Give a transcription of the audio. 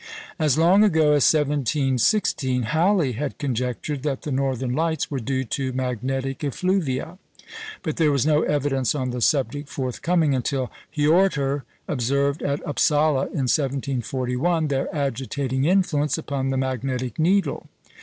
As long ago as 1716, Halley had conjectured that the Northern Lights were due to magnetic "effluvia," but there was no evidence on the subject forthcoming until Hiorter observed at Upsala in 1741 their agitating influence upon the magnetic needle.